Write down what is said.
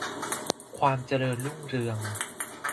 ความเจริญรุ่งเรือง